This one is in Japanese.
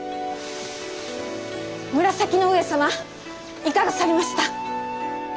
紫の上様いかがされました？